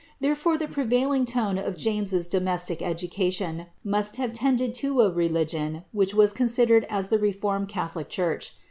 Therefore, the prevailing kme of James's domestic education must have tended to a religion which considered as the reformed catholic church.